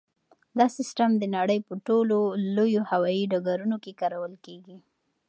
دا سیسټم د نړۍ په ټولو لویو هوایي ډګرونو کې کارول کیږي.